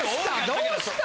どうした？